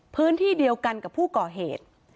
พื้นที่เดียวกันกับผู้ก่อเหตุ